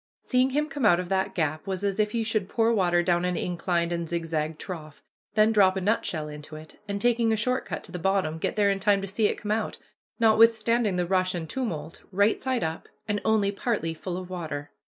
Seeing him come out of that gap was as if you should pour water down an inclined and zigzag trough, then drop a nutshell into it, and, taking a short cut to the bottom, get there in time to see it come out, notwithstanding the rush and tumult, right side up, and only partly full of water.